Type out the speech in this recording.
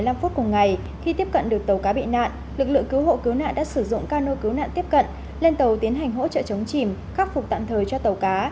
lực lượng cứu hộ cứu nạn đã sử dụng ca nô cứu nạn tiếp cận lên tàu tiến hành hỗ trợ chống chìm khắc phục tạm thời cho tàu cá